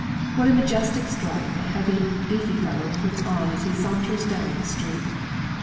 What a majestic stride the heavy, beefy fellow puts on as he saunters down the street!